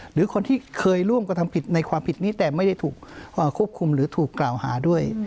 หรือคนที่เคยร่วมกระทำผิดในความผิดนี้แต่ไม่ได้ถูกควบคุมหรือถูกกล่าวหาด้วย